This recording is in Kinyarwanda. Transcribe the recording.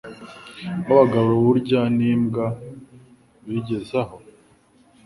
Babagabo burya nibwa bijyeze aho